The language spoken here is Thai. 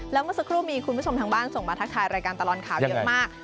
แล้วเมื่อสักครู่มีคุณผู้ชมทางบ้านส่งมาทักทายรายการตลอดข่าวเยอะมาก